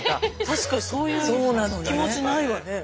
確かにそういう気持ちないわね。